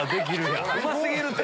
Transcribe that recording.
うま過ぎるって！